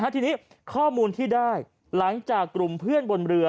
ทีนี้ข้อมูลที่ได้หลังจากกลุ่มเพื่อนบนเรือ